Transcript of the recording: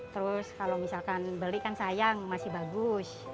terus kalau misalkan beli kan sayang masih bagus